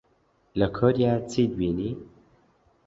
لە کۆریا چیت بینی؟